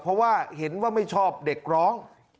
เพราะว่าเห็นว่าไม่ชอบเด็กร้อง